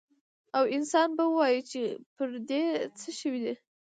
او انسان به ووايي چې پر دې څه شوي دي؟